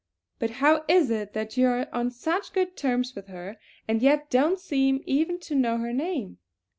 But how is it that you are on such good terms with her, and yet don't seem even to know her name?"